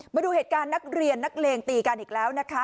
มาดูเหตุการณ์นักเรียนนักเลงตีกันอีกแล้วนะคะ